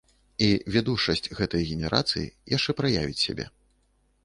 І відушчасць гэтай генерацыі яшчэ праявіць сябе.